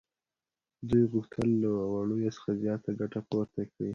دوی غوښتل له وړیو څخه زیاته ګټه پورته کړي